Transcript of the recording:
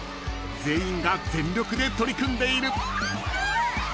［全員が全力で取り組んでいる］